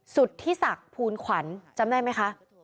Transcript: สุธิศักดิ์ภูลขวัญจำได้ไหมคะ